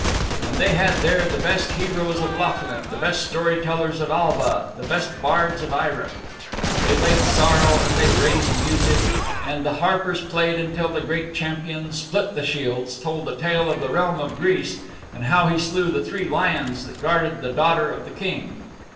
And they had there the best heroes of Lochlinn, the best story tellers of Alba, the best bards of Eirinn. They laid sorrow and they raised music, and the harpers played until the great champion Split the Shields told a tale of the realm of Greece and how he slew the three lions that guarded the daughter of the King.